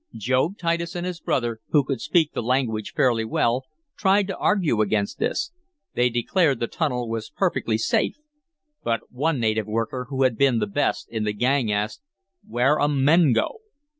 Job Titus and his brother, who could speak the language fairly well, tried to argue against this. They declared the tunnel was perfectly safe. But one native worker, who had been the best in the gang, asked: "Where um men go?"